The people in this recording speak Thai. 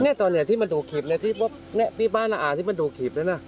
นี่ตอนเนี่ยที่มันดูคลิปเนี่ยที่บ้านอาหารที่มันดูคลิปเนี่ยนะ